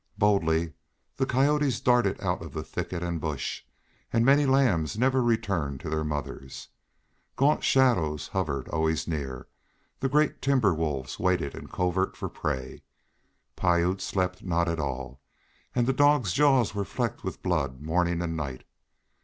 Boldly the coyotes darted out of thicket and bush, and many lambs never returned to their mothers. Gaunt shadows hovered always near; the great timber wolves waited in covert for prey. Piute slept not at all, and the dog's jaws were flecked with blood morning and night.